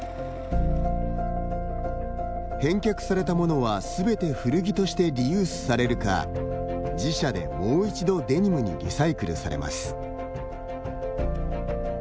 返却されたものは、すべて古着としてリユースされるか自社でもう一度デニムにリサイクルされます。